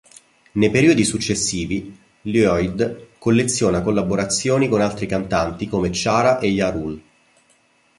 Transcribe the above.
Nei periodi successivi Lloyd colleziona collaborazioni con altri cantanti come Ciara e Ja Rule.